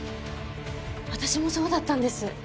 私もそうだったんです。